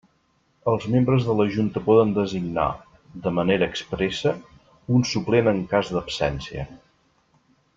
Els membres de la Junta poden designar, de manera expressa, un suplent en cas d'absència.